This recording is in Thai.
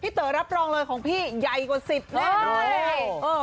เต๋อรับรองเลยของพี่ใหญ่กว่า๑๐แน่นอนเลย